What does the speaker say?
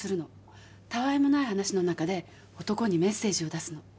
たわいもない話の中で男にメッセージを出すの。